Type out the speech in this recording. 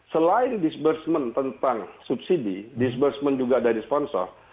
selain disbursement tentang subsidi disbursement juga dari sponsor